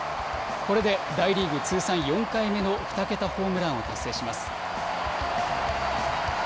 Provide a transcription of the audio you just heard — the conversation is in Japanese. これで大リーグ通算４回目の２桁ホームランを達成します。